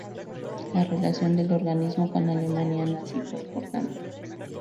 La relación del organismo con la Alemania nazi fue importante.